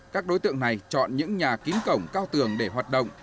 các đối tượng này chọn những nhà kín cổng cao tường để hoạt động